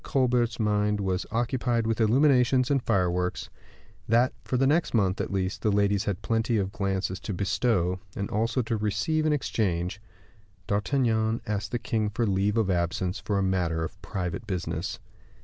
Colbert's mind was occupied with illuminations and fireworks that for the next month, at least, the ladies had plenty of glances to bestow, and also to receive in exchange D'Artagnan asked the king for leave of absence for a matter of private business.